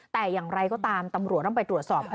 แต่อย่างไรก็ตามตำรวจต้องไปตรวจสอบค่ะ